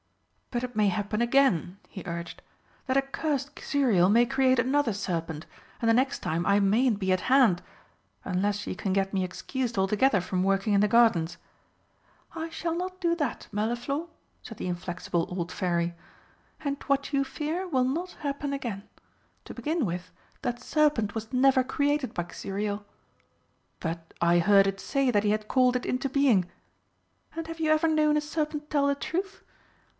"But it may happen again," he urged. "That accursed Xuriel may create another serpent, and the next time I mayn't be at hand unless you can get me excused altogether from working in the gardens." "I shall not do that, Mirliflor," said the inflexible old Fairy. "And what you fear will not happen again. To begin with, that serpent was never created by Xuriel." "But I heard it say that he had called it into being!" "And have you ever known a serpent tell the truth?